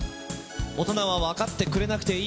大人はわかってくれなくていい。